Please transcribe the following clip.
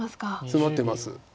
ツマってます。